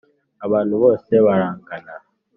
abantu bose barangana,